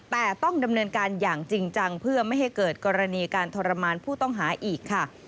แต่ต้องดำเนินการอย่างจริงจังเพื่อไม่ให้เกิดกรณีการทรมานผู้ต้องหาอีกค่ะ